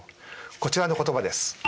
こちらの言葉です。